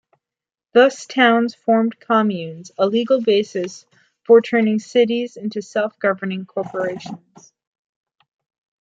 Thus towns formed communes, a legal basis for turning the cities into self-governing corporations.